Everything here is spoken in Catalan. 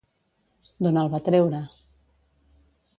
D'on el va treure?